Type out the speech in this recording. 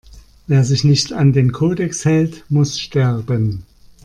Wer sich nicht an den Kodex hält, muss sterben!